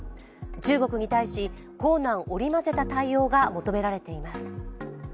中国に対し、硬軟織り交ぜた対応が求められています。